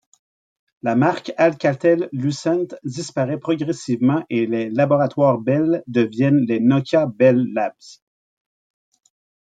La marque Alcatel-Lucent disparaît progressivement et les laboratoires Bell deviennent les Nokia Bell Labs.